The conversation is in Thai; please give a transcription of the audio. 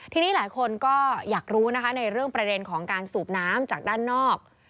ทีนี้หลายคนก็อยากรู้นะคะในเรื่องประเด็นของการสูบน้ำจากด้านนอก